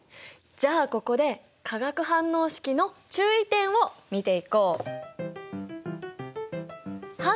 じゃあここで化学反応式の注意点を見ていこう。